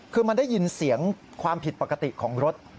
คือมันได้ยินเสียงความผิดปกติของรถ